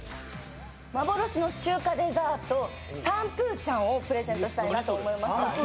幻の中華デザート、サンプーチャンをプレゼントしたいなと思いました。